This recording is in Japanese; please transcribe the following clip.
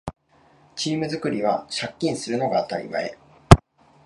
チーム作りは借金するのが当たり前